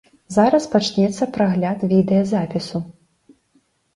Зараз пачнецца прагляд відэазапісу.